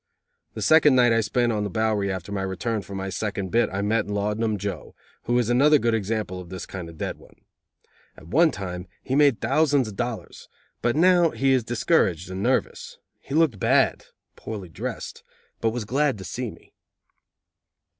The second night I spent on the Bowery after my return from my second bit I met Laudanum Joe, who is another good example of this kind of "dead one." At one time he made thousands of dollars, but now he is discouraged and nervous. He looked bad (poorly dressed) but was glad to see me.